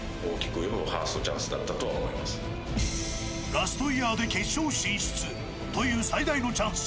ラストイヤーで決勝進出という最大のチャンス。